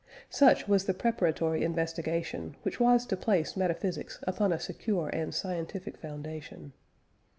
Such was the preparatory investigation which was to place metaphysics upon a secure and scientific foundation.